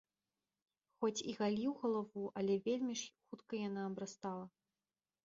Хоць і галіў галаву, але вельмі ж хутка яна абрастала.